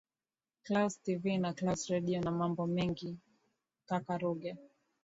claus tv na claus redio na mambo mengine kaka ruge